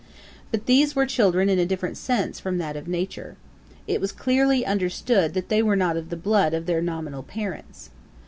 But these were children in a different sense from that of nature. It was clearly understood that they were not of the blood of their nominal parents.